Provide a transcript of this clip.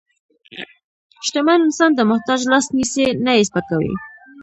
شتمن انسان د محتاج لاس نیسي، نه یې سپکوي.